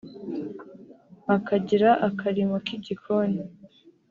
Akagira akarimo k’igikoni